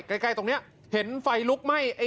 ใกล้รูปป้ายเห็นไฟรุกไหม่